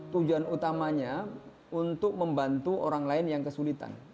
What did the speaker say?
tujuan utamanya untuk membantu orang lain yang kesulitan